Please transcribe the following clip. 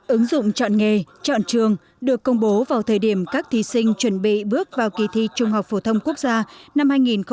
ứng dụng chọn nghề chọn trường được công bố vào thời điểm các thí sinh chuẩn bị bước vào kỳ thi trung học phổ thông quốc gia năm hai nghìn một mươi chín